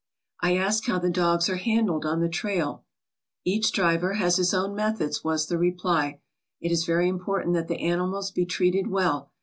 I asked how the dogs are handled on the trail "Each driver has his own methods/' was the reply. "It is very important that the animals be treated well.